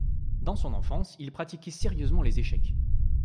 Dans son enfance, il pratiquait sérieusement les échecs.